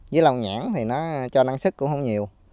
với lông nhãn thì nó cho năng sức cũng không nhiều